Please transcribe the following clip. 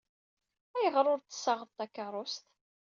Ayɣer ur d-tessaɣeḍ takeṛṛust?